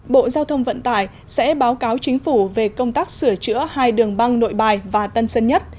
bộ giao thông vận tải sẽ báo cáo chính phủ về công tác sửa chữa hai đường băng nội bài và tân sơn nhất